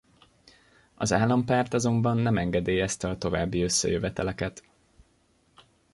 Az állampárt azonban nem engedélyezte a további összejöveteleket.